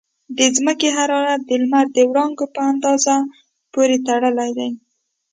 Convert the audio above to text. د ځمکې حرارت د لمر د وړانګو په اندازه پورې تړلی دی.